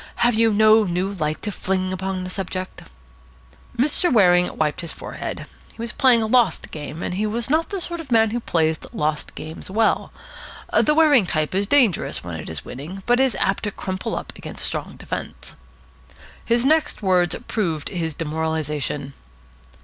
Have you no new light to fling upon the subject?" Mr. Waring wiped his forehead. He was playing a lost game, and he was not the sort of man who plays lost games well. The Waring type is dangerous when it is winning, but it is apt to crumple up against strong defence. His next words proved his demoralisation.